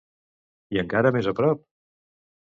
I encara més a prop?